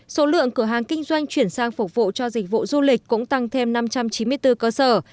số lượng cửa hàng kinh doanh chuyển sang phục vụ cho dịch vụ du lịch cũng tăng thêm năm trăm chín mươi bốn cơ sở